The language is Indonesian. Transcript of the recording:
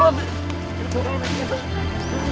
ngapas kalau kan ya beneran ya